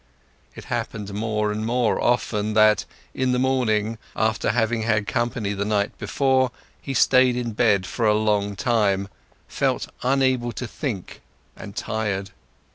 It happened more and more often that, in the morning after having had company the night before, he stayed in bed for a long time, felt unable to think and tired.